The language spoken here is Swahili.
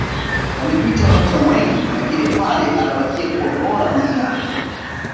wamepita nyota wengi lakini pele anabakia kuwa bora duniani